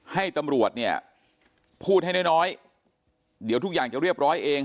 ให้ตำรวจเนี่ยพูดให้น้อยน้อยเดี๋ยวทุกอย่างจะเรียบร้อยเอง